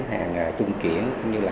hàng trung chuyển